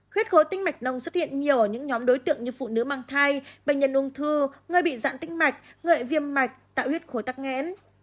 huyết khối tinh mạch nông xuất hiện nhiều ở những nhóm đối tượng như phụ nữ mang thai bệnh nhân ung thư người bị dạng tinh mạch người viêm mạch tạo huyết khối tắc nghén